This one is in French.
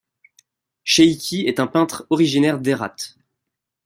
Sheikhi est un peintre originaire d'Hérat.